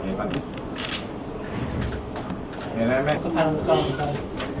สะพานอบจใครรู้จักบ้าง